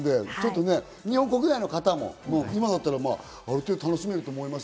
日本国内の方も今だったら楽しめると思いますし。